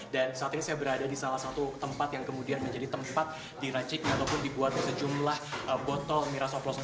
dan saat ini saya berada di salah satu tempat yang kemudian menjadi tempat diracik ataupun dibuat sejumlah botol miras oplosan